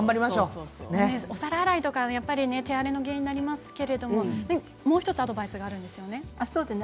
お皿洗いとか手荒れの原因になりますけどもう１つアドバイスがありますね。